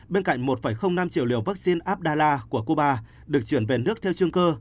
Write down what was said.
bên cạnh một năm triệu liều vaccine abdalla của cuba được chuyển về nước theo chương cơ